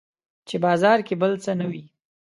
چې بازار کې بل څه نه وي